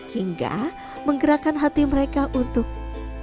hingga menggerakkan hati mereka untuk